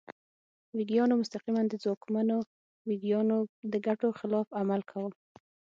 ویګیانو مستقیماً د ځواکمنو ویګیانو د ګټو خلاف عمل کاوه.